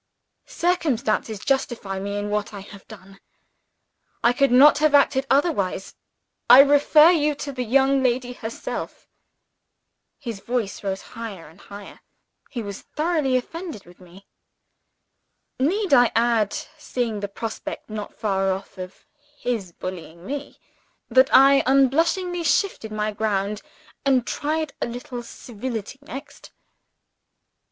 Circumstances justify me in what I have done; I could not have acted otherwise. I refer you to the young lady herself." His voice rose higher and higher he was thoroughly offended with me. Need I add (seeing the prospect not far off of his bullying me), that I unblushingly shifted my ground, and tried a little civility next?